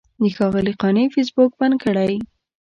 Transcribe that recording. د ښاغلي قانع فیسبوک بند کړی.